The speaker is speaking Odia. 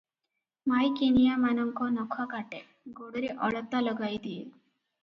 ମାଇକିନିଆମାନଙ୍କ ନଖ କାଟେ, ଗୋଡରେ ଅଳତା ଲଗାଇ ଦିଏ ।